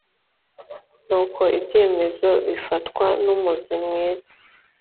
n uko ibyemezo bifatwa numuzi mwiza